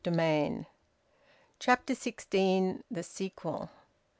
VOLUME TWO, CHAPTER SIXTEEN. THE SEQUEL.